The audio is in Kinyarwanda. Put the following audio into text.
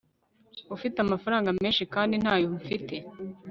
ufite amafaranga menshi, kandi ntayo mfite